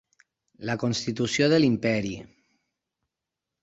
La constitució de l'imperi.